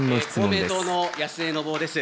公明党の安江伸夫です。